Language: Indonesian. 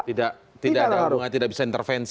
tidak ada yang bisa intervensi